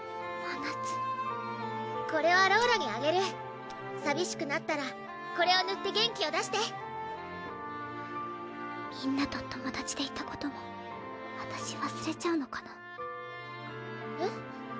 まなつこれはローラにあげるさびしくなったらこれをぬって元気を出してみんなと友達でいたこともわたしわすれちゃうのかなえっ？